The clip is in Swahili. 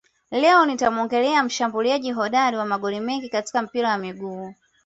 Leo nitamuongelea mshambuliaji hodari wa magoli mengi katika mpira wa miguu